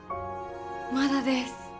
まだです。